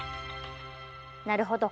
なるほど。